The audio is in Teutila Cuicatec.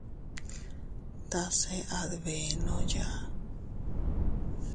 Tase a dbenoya.